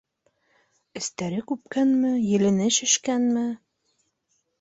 Эстәре күпкәнме, елене шешкәнме...